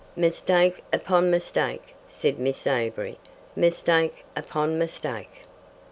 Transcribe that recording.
"Mistake upon mistake," said Miss Avery. "Mistake upon mistake."